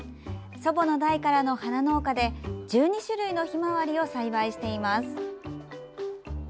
祖母の代からの花農家で１２種類のひまわりを栽培しています。